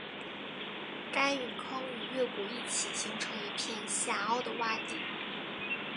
该陨坑与月谷一起形成一片下凹的洼地。